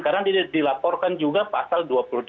karena dia dilaporkan juga pasal dua puluh delapan